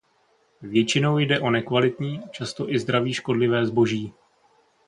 Většinou jde o nekvalitní, často i zdraví škodlivé zboží.